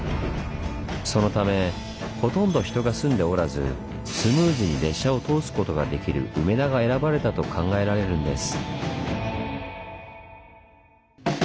そのためほとんど人が住んでおらずスムーズに列車を通すことができる梅田が選ばれたと考えられるんです。